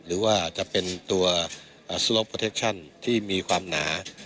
หรือว่าจะเป็นตัวเอ่อที่มีความหนา